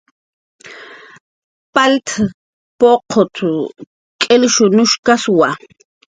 Palt puqutkun k'ilnushkaswa